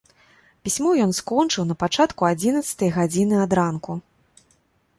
Пісьмо ён скончыў на пачатку адзінаццатай гадзіны ад ранку.